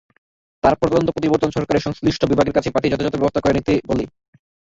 তারপর তদন্ত প্রতিবেদন সরকারের সংশ্লিষ্ট বিভাগের কাছে পাঠিয়ে যথাযথ ব্যবস্থা নিতে বলে।